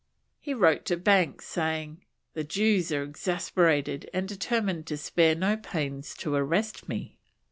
He wrote to Banks, saying, "the Jews are exasperated and determined to spare no pains to arrest me."